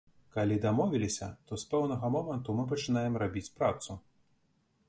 Калі дамовіліся, то з пэўнага моманту мы пачынаем рабіць працу.